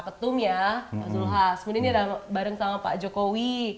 kemudian ini ada bareng sama pak jokowi